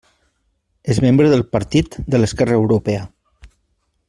És membre del Partit de l'Esquerra Europea.